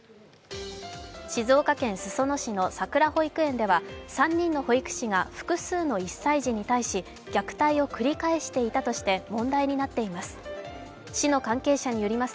静岡県裾野市のさくら保育園では３人の保育士が複数の１歳児に対し虐待を繰り返していたとして問題になっています。